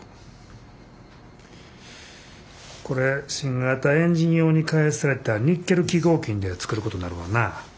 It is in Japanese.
これ新型エンジン用に開発されたニッケル基合金で作ることになるわな。